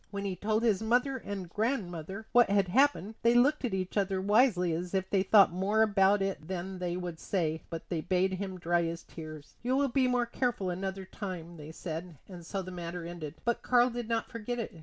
When he told his mother and grandmother what had happened they looked at each other wisely as if they thought more about it than they would say; but they bade him dry his tears. "You will be more careful another time," they said; and so the matter ended. But Karl did not forget it.